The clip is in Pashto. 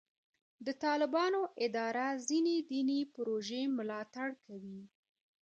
د طالبانو اداره ځینې دیني پروژې ملاتړ کوي.